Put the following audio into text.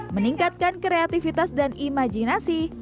meningkatkan kreativitas dan imajinasi